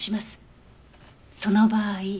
その場合。